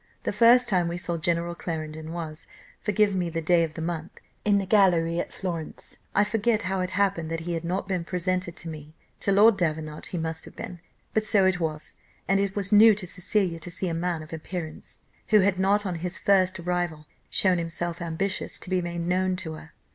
The first time we saw General Clarendon was forgive me the day of the month in the gallery at Florence. I forget how it happened that he had not been presented to me to Lord Davenant he must have been. But so it was and it was new to Cecilia to see a man of his appearance who had not on his first arrival shown himself ambitious to be made known to her.